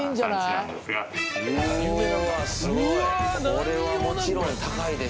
すごい。